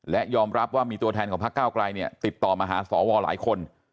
และยอมรับว่ามีตัวแทนของพระเก้าไกลเนี่ยติดต่อมาหาสวหลายคน